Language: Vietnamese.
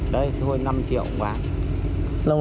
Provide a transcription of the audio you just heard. đây thôi năm triệu một lồng